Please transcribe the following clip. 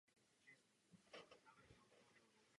A k tomu právě sloužili koně v tomto hostinci.